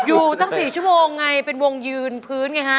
อยู่ตั้ง๔ชั่วโมงไงเป็นวงยืนพื้นไงฮะ